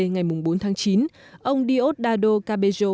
ngày bốn tháng chín ông diosdado cabello